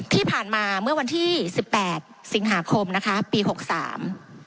ที่ผ่านมาเมื่อวันที่สิบแปดสิงหาคมนะคะปีหกสาม